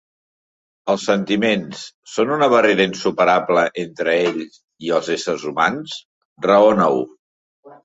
Els sentiments, són una barrera insuperable entre ell i els éssers humans? Raona-ho.